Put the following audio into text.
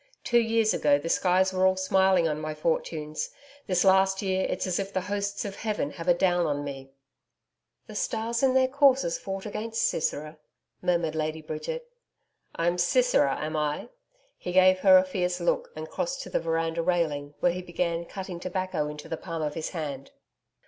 Two years ago the skies were all smiling on my fortunes. This last year, it's as if the hosts of heaven had a down on me.' 'The stars in their courses fought against Sisera,' murmured Lady Bridget. 'I'm Sisera, am I?' He gave her a fierce look and crossed to the veranda railing, where he began cutting tobacco into the palm of his hand.